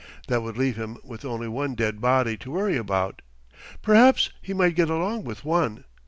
That would leave him with only one dead body to worry about. Perhaps he might get along with one.